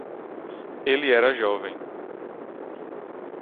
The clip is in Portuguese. Ele era jovem